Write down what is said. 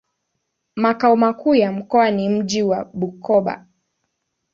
Makao makuu ya mkoa ni mji wa Bukoba.